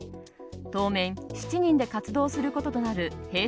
当面７人で活動することとなるＨｅｙ！